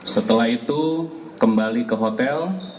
setelah itu kembali ke hotel